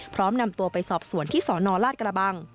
พร้อมนำตัวไปสอบสวนที่สนราชกระบัง